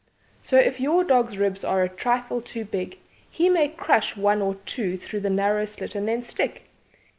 So if your dog's ribs are a trifle too big he may crush one or two through the narrow slit and then stick.